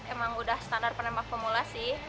memang sudah standar penembak pemula sih